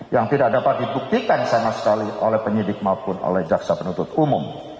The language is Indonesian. yang tidak dapat dibuktikan sama sekali oleh penyidik maupun oleh jaksa penuntut umum